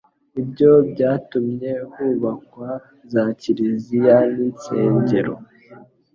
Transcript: Ibyo byatumye hubakwa za kiliziya n'insengero